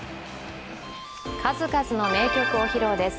数々の名曲を披露です。